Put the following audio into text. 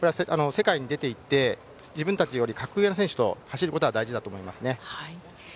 世界に出ていって自分たちより格上の選手と走ることが大事だと思います。